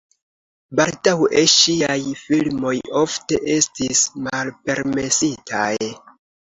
Baldaŭe ŝiaj filmoj ofte estis malpermesitaj.